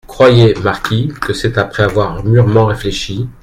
Croyez, marquis, que c’est après avoir mûrement réfléchi…